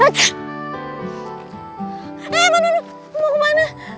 eh mana mana mau kemana